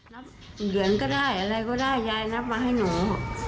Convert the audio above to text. เหรียญก็ได้อะไรก็ได้ยายนับมาให้หนู